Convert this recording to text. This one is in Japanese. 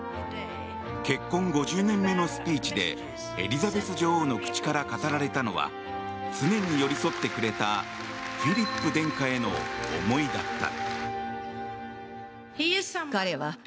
結婚５０年目のスピーチでエリザベス女王の口から語られたのは常に寄り添ってくれたフィリップ殿下への思いだった。